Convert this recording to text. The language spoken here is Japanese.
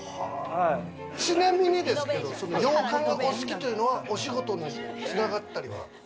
ちなみにですけど洋館がお好きというのは、お仕事の繋がったりは？